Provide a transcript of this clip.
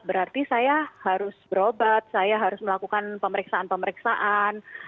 berarti saya harus berobat saya harus melakukan pemeriksaan pemeriksaan